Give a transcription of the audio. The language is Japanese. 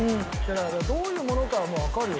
だからどういうものかはもうわかるよ。